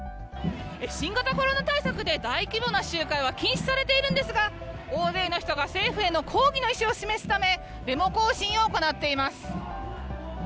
新型コロナ対策で大規模な集会は禁止されているんですが大勢の人が政府への抗議の意思を示すためデモ行進を行っています。